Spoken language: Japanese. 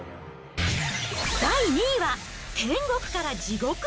第２位は、天国から地獄！